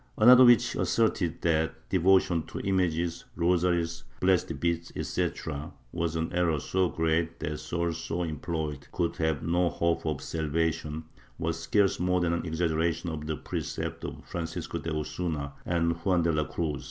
Another which asserted that devotion to images, rosaries, blessed beads etc. was an error so great that souls so employed could have no hope of salvation was scarce more than an exaggeration of the precepts of Francisco de Osuna and Juan de la Cruz.